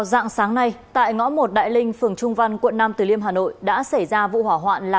xin cám ơn bà vì những chia sẻ vừa rồi